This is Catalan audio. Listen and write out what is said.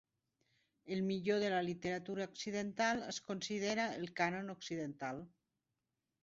El millor de la literatura occidental es considera el cànon occidental.